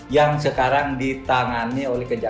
yang sekarang ditangani